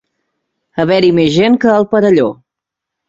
Haver-hi més gent que al Perelló.